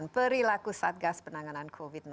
terima kasih dr sonny